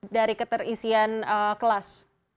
dua puluh lima dari keterisian kelas